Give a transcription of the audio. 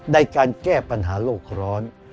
ในการแก้ปัญหาโลกร้อน